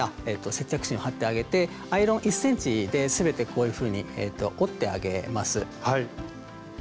接着芯を貼ってあげてアイロン１ｃｍで全てこういうふうに折ってあげます。